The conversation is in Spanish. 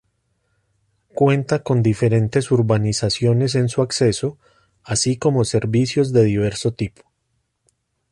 Cuenta con diferentes urbanizaciones en su acceso, así como servicios de diverso tipo.